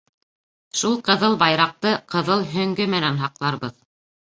Шул ҡыҙыл байраҡты ҡыҙыл һөңгө менән һаҡларбыҙ.